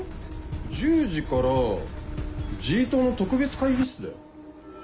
１０時からＧ棟の特別会議室だよ。